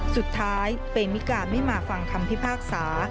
สุดท้ายเปมิกาไม่มาฟังคำพิพากษา